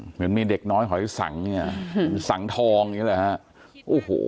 เหมือนมีเด็กน้อยหอยสังสังทองนี่แหละฮะ